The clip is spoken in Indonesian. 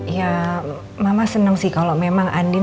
ya mama seneng sih kalau memang anin